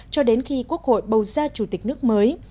cho đến khi quốc hội bầu ra chủ tịch nước mới